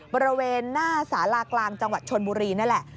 บริเวณหน้าสาลากลางจังหวัดชนบุรีนั่นแหละ